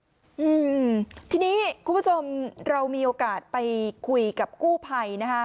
ไม่ปกติเหรอทีนี้ครับทุกคุณผู้ชมเรามีโอกาสไปคุยกับกู้ไพย